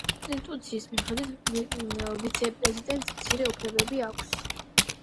კონსტიტუციის მიხედვით ვიცე-პრეზიდენტს მცირე უფლებები აქვს.